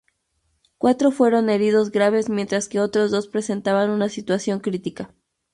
Cuatro fueron heridos graves, mientras que otros dos presentaban una situación crítica.